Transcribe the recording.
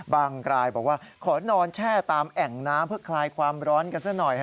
รายบอกว่าขอนอนแช่ตามแอ่งน้ำเพื่อคลายความร้อนกันซะหน่อย